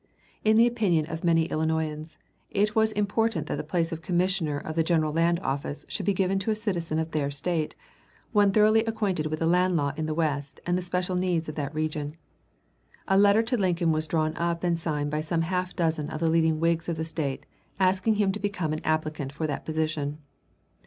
In the opinion of many Illinoisans it was important that the place of Commissioner of the General Land Office should be given to a citizen of their State, one thoroughly acquainted with the land law in the West and the special needs of that region. A letter to Lincoln was drawn up and signed by some half dozen of the leading Whigs of the State asking him to become an applicant for that position.